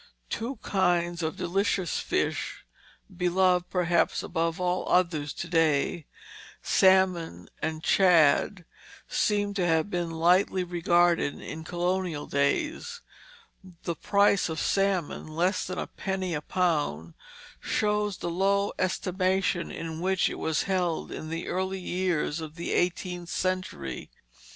Two kinds of delicious fish, beloved, perhaps, above all others to day, salmon and shad, seem to have been lightly regarded in colonial days. The price of salmon less than a penny a pound shows the low estimation in which it was held in the early years of the eighteenth century.